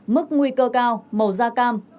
mức nguy cơ cao màu da cam